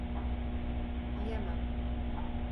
Yiyemem.